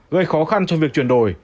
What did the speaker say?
gây khó khăn trong việc chuyển đổi